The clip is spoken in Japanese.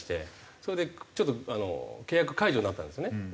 それで契約解除になったんですね。